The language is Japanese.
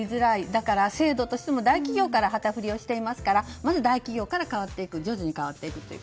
だから制度としても大企業から旗振りをしていますから大企業から徐々に変わると。